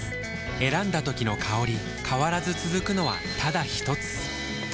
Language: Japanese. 選んだ時の香り変わらず続くのはただひとつ？